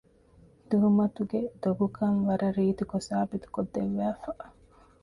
ތުހުމަތުގެ ދޮގުކަން ވަރަށް ރީތިކޮށް ސާބިތުކޮށް ދެއްވައިފަ